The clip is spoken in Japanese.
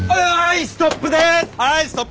はいストップです！